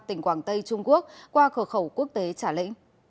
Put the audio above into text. tỉnh quảng tây trung quốc qua khởi khẩu quốc tế trả lễ